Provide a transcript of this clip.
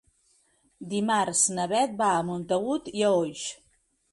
Dimarts na Beth va a Montagut i Oix.